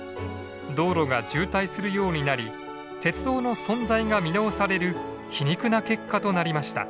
道路が渋滞するようになり鉄道の存在が見直される皮肉な結果となりました。